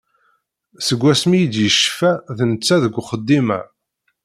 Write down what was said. Seg wasmi i d-yecfa d netta deg uxeddim-a.